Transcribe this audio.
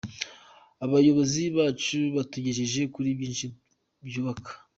Abayobozi bacu batugejeje kuri byinshi byukaba.